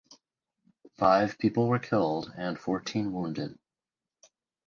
Five people were killed and fourteen wounded.